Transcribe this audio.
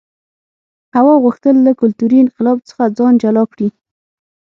هوا غوښتل له کلتوري انقلاب څخه ځان جلا کړي.